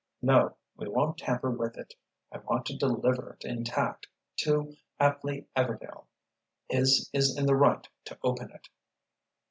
"No. We won't tamper with it. I want to deliver it, intact, to Atley Everdail. His is the right to open it."